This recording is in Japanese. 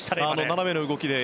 斜めの動きで。